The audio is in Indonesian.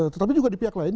tetapi juga di pihak lain